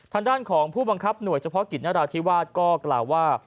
ทางด้านของผู้บังคับหน่วยเฉพาะกิจนราธิวาสก็กล่าวว่า